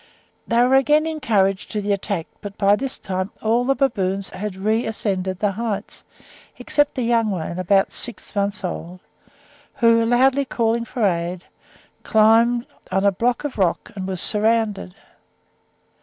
They were again encouraged to the attack; but by this time all the baboons had reascended the heights, excepting a young one, about six months old, who, loudly calling for aid, climbed on a block of rock, and was surrounded.